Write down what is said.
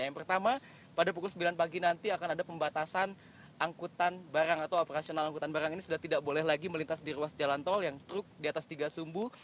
yang pertama pada pukul sembilan pagi nanti akan ada pembatasan angkutan barang atau operasional angkutan barang ini sudah tidak boleh lagi melintas di ruas jalan tol yang truk di atas tiga sumbu